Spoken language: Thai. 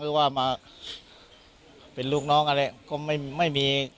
ว่ามาเป็นลูกน้องอะไรก็ไม่มี